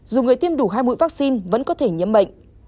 dù người tiêm đủ hai mũi vaccine vẫn có thể nhiễm bệnh